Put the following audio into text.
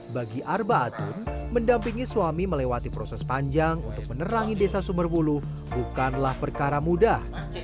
bagi arba atun mendampingi suami melewati proses panjang untuk menerangi desa sumberwuluh bukanlah perkara mudah